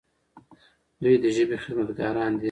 دوی د ژبې خدمتګاران دي.